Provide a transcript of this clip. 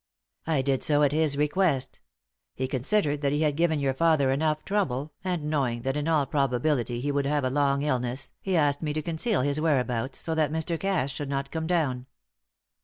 "I did so at his request. He considered that he had given your father enough trouble, and knowing that in all probability he would have a long illness, he asked me to conceal his whereabouts, so that Mr. Cass should not come down."